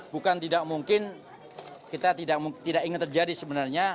bukan tidak mungkin kita tidak ingin terjadi sebenarnya